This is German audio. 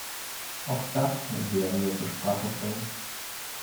Auch das werden wir zur Sprache bringen.